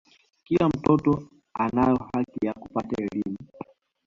kila mtoto anayo haki ya kupata elimu